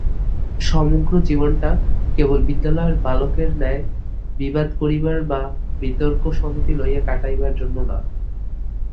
সমগ্র জীবনটা কেবল বিদ্যালয়ের বালকের ন্যায় বিবাদ করিবার বা বিতর্কসমিতি লইয়া কাটাইবার জন্য নয়।